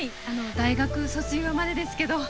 大学卒業までですけど。